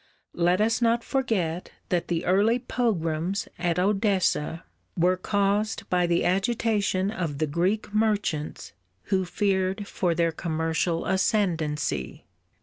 Let us not forget that the early pogroms at Odessa were caused by the agitation of the Greek merchants who feared for their commercial ascendency.